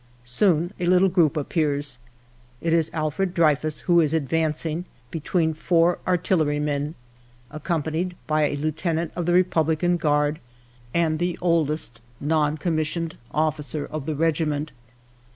" Soon a little group appears : it is Alfred Dreyfus who is advancing, between four artillerymen, accom panied by a Lieutenant of the Republican Guard and the oldest non commissioned officer of the regiment.